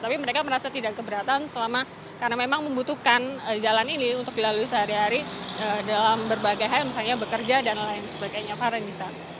tapi mereka merasa tidak keberatan selama karena memang membutuhkan jalan ini untuk dilalui sehari hari dalam berbagai hal misalnya bekerja dan lain sebagainya